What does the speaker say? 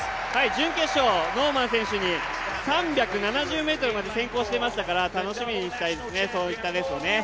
準決勝、ノーマン選手に３７０ｍまで先行していましたから楽しみにしたいですね、そういったレースを。